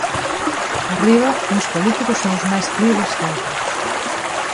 Por riba, uns políticos somos máis cribles que outros.